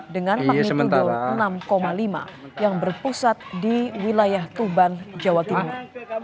dengan magnitudo enam lima yang berpusat di wilayah tuban jawa timur